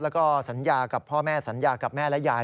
แล้วก็สัญญากับพ่อแม่สัญญากับแม่และยาย